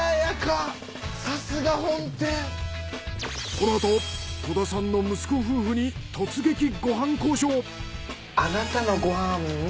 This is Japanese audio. このあと戸田さんの息子夫婦に突撃ご飯交渉！